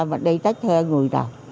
mình đi tách hơi người ta